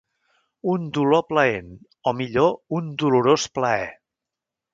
Un dolor plaent, o millor, un dolorós plaer.